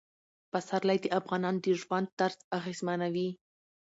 پسرلی د افغانانو د ژوند طرز اغېزمنوي.